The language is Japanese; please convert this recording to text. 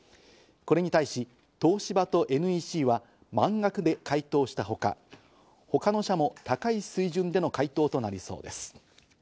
これに対し東芝とＮＥＣは満額で回答したほか、ほかの社も高い水準での回答となりそうです。